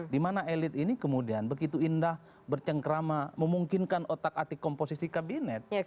dimana elit ini kemudian begitu indah bercengkrama memungkinkan otak atik komposisi kabinet